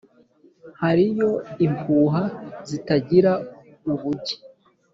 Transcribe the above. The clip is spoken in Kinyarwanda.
Hariyo impuha zitagira ubugi